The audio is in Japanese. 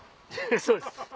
そうです。